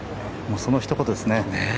そのひと言ですね。